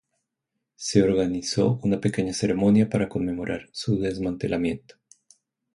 Se organizó una pequeña ceremonia para conmemorar su desmantelamiento.